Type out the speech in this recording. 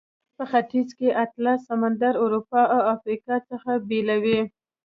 په ختیځ کې اطلس سمندر اروپا او افریقا څخه بیلوي.